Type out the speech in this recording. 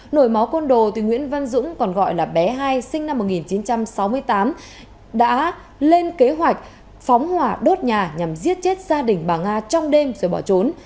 nổi máu côn đồ nguyễn văn dũng còn gọi là bé hai sinh năm một nghìn chín trăm sáu mươi tám đã lên kế hoạch phóng hỏa đốt nhà nhằm giết chết gia đình bà nga trong đêm rồi bỏ trốn